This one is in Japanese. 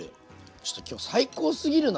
ちょっと今日最高すぎるな。